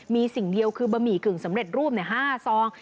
มีสิ่งเดียวคือบะหมี่กึ่งสำเร็จรูป๕ซอง